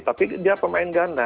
tapi dia pemain ganda